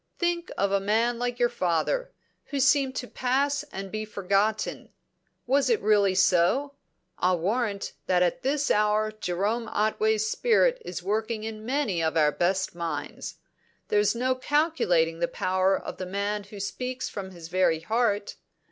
Think of a man like your father, who seemed to pass and be forgotten. Was it really so? I'll warrant that at this hour Jerome Otway's spirit is working in many of our best minds. There's no calculating the power of the man who speaks from his very heart.